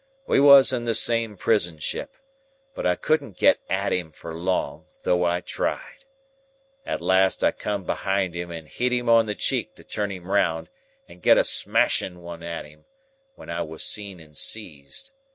We was in the same prison ship, but I couldn't get at him for long, though I tried. At last I come behind him and hit him on the cheek to turn him round and get a smashing one at him, when I was seen and seized.